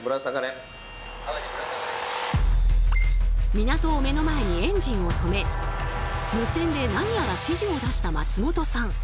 港を目の前にエンジンを止め無線で何やら指示を出した松本さん。